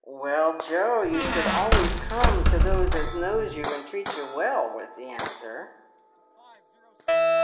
" "Well, Joe, you should always come to those as knows you and treats you well," was the answer.